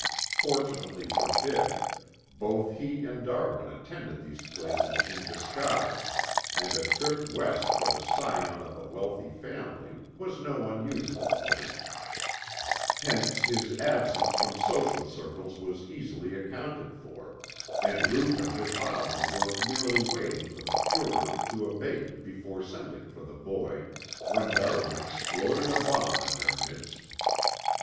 Fortunately for Dick, both he and Darwin attended these places in disguise and a trip West for the scion of a wealthy family was no unusual event, hence his absence from social circles was easily accounted for, and Ruth and her father were merely waiting for the furore to abate before sending for the boy, when Darwin exploded a bomb in their midst.